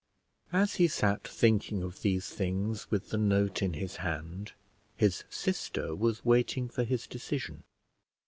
As he sat thinking of these things with the note in his hand, his sister was waiting for his decision.